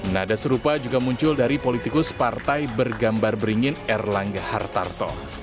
nada serupa juga muncul dari politikus partai bergambar beringin erlangga hartarto